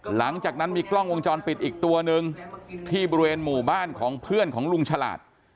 หลังจากนั้นมีกล้องวงจรปิดอีกตัวนึงที่บริเวณหมู่บ้านของเพื่อนของลุงฉลาด